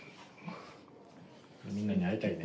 みんなに会いたいね。